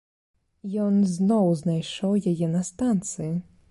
Ён зноў знайшоў яе на станцыі.